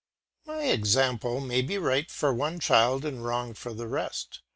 My example may be right for one child and wrong for the rest.